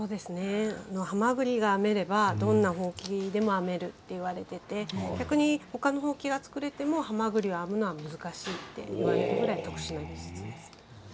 はまぐりが編めればどんなほうきも編めるといわれていて逆に他のほうきは作れてもはまぐりは編むのは難しいというぐらい特徴です。